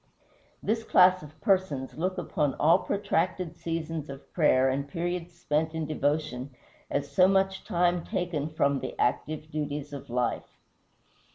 This class of persons look upon all protracted seasons of prayer and periods spent in devotion as so much time taken from the active duties of life.